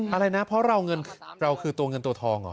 อะไรนะเพราะเราคือตัวเงินตัวทองเหรอ